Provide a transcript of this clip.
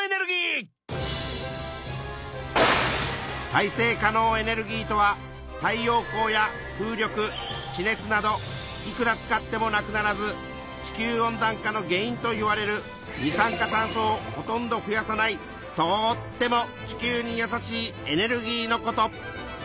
再生可能エネルギーとは太陽光や風力地熱などいくら使ってもなくならず地球温暖化の原因といわれる二酸化炭素をほとんど増やさないとっても地球に優しいエネルギーのこと。